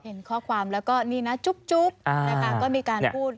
เห็นข้อความแล้วก็นี่นะจุ๊บนะคะก็มีการพูด